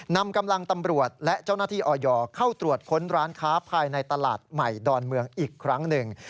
นำกำลังตำรวจและเจ้าหน้าที่ออยเข้าตรวจค้นร้านค้าภายในตลาดใหม่ดอนเมืองอีกครั้งหนึ่ง